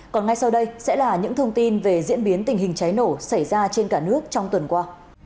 còn ngay sau đây sẽ là những thông tin về diễn biến tình hình cháy nổ xảy ra trên cả nước trong tuần qua